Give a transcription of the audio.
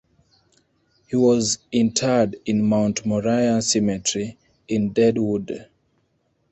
He was interred in Mount Moriah Cemetery, in Deadwood.